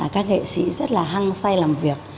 các nghệ sĩ rất là hăng say làm việc